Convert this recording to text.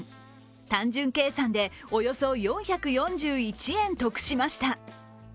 単純計算でおよそ４４１円得しました。